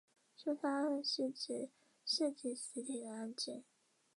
凶杀案是指涉及死体的案件。